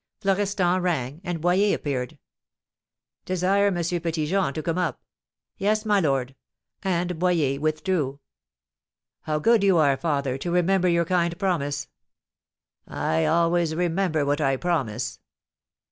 Florestan rang, and Boyer appeared. "Desire M. Petit Jean to come up." "Yes, my lord," and Boyer withdrew. "How good you are, father, to remember your kind promise!" "I always remember what I promise."